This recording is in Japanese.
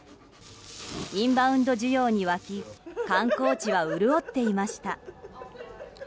インバウンド需要に沸き観光地は潤っていました。